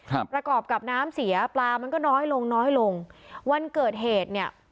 ประกอบกับน้ำเสียปลามันก็น้อยลงน้อยลงวันเกิดเหตุเนี้ย